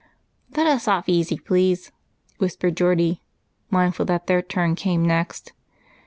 "Let us off easy, please," whispered Geordie, mindful that their turn came next.